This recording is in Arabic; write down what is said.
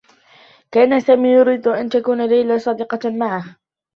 كان سامي يريد أن تكون ليلى صادقة معه.